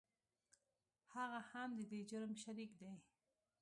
هغه هم د دې جرم شریک دی .